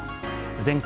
「全国